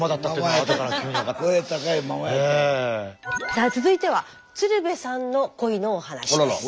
さあ続いては鶴瓶さんの恋のお話です。